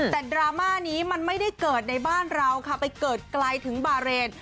แต่ดราม่านี้มันไม่ได้เกิดในบ้านเราค่ะไปเกิดไกลถึงบาเรน